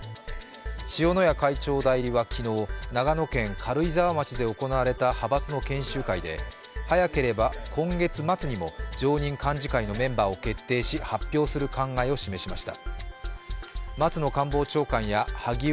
塩谷会長代理は昨日、長野県軽井沢市で行われた派閥の研修会で、早ければ今月末にも常任幹事会のメンバーを決定し発表する考えを示しました。